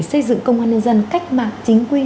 xây dựng công an nhân dân cách mạng chính quy